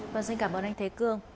vâng xin cảm ơn anh thế cương